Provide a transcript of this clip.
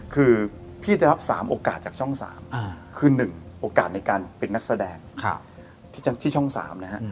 คือพี่ได้รับสามโอกาสจากช่องสามคือหนึ่งโอกาสในการเป็นนักแสดงค่ะที่ช่องสามนะฮะ